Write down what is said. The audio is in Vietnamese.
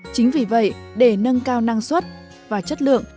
chính vì vậy để nâng cao năng suất và chất lượng